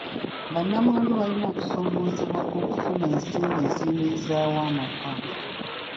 Bannamwandu balina okusoomoozebwa kw'okufuna ensimbi eziyimirizaawo amaka.